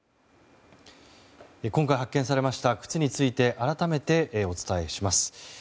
今回発見されました靴について改めてお伝えします。